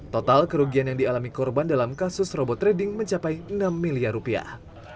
total kerugian yang dialami korban dalam kasus robot trading mencapai enam miliar rupiah